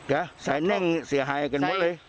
ก็ใส่แน่งเสียหายกันมดเลย